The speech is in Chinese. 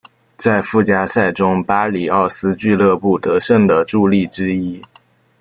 在附加赛中巴里奥斯俱乐部得胜的助力之一。